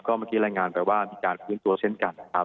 เมื่อกี้รายงานไปว่ามีการฟื้นตัวเช่นกันนะครับ